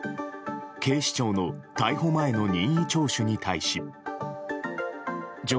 警視庁の逮捕前の任意聴取に対し。